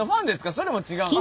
それも違うの？